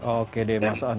oke deh mas adang